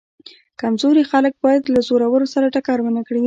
کمزوري خلک باید له زورورو سره ټکر ونه کړي.